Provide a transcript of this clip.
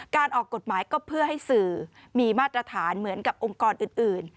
ออกกฎหมายก็เพื่อให้สื่อมีมาตรฐานเหมือนกับองค์กรอื่น